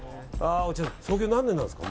創業何年なんですか？